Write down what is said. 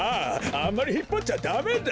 あんまりひっぱっちゃダメだ！